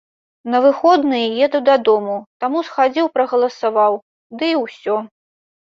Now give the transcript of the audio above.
На выходныя еду дадому, таму схадзіў прагаласаваў, ды і ўсё.